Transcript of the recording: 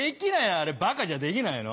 あれバカじゃできないの。